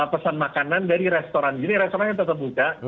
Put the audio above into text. pesan makanan dari restoran jadi restorannya tetap buka